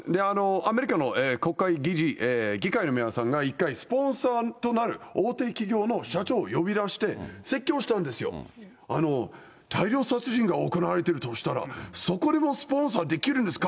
アメリカの国会議員、議会の皆さんが一回スポンサーとなる大手企業の社長を呼び出して説教したんですよ、大量殺人が行われてるとしたら、そこでもスポンサーできるんですか？